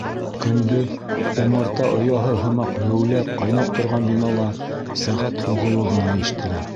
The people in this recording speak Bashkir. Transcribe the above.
Көндөҙ умарта ояһы һымаҡ геүләп-ҡайнап торған бинала сәғәт һуғыуы ғына ишетелә.